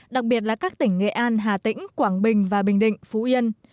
đặc biệt là các tỉnh nghệ an hà tĩnh quảng bình và bình định phú yên